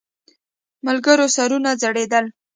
ملګرو سرونه ځړېدل.